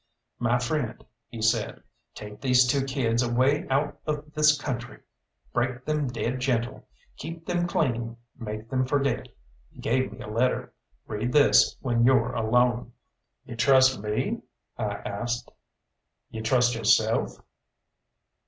"My friend," he said, "take these two kids away out of this country break them dead gentle, keep them clean, make them forget." He gave me a letter. "Read this when you're alone." "You trust me?" I asked. "You trust yo'self?"